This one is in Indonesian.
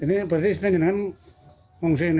ini berarti istinan istinan mengungsi ini